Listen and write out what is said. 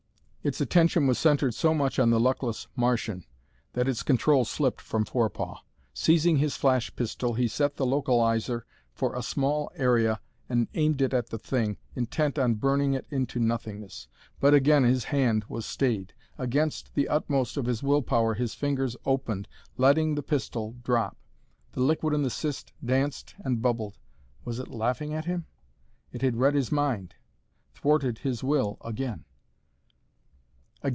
Its attention was centered so much on the luckless Martian that its control slipped from Forepaugh. Seizing his flash pistol, he set the localized for a small area and aimed it at the thing, intent on burning it into nothingness. But again his hand was stayed. Against the utmost of his will power his fingers opened, letting the pistol drop. The liquid in the cyst danced and bubbled. Was it laughing at him? It had read his mind thwarted his will again.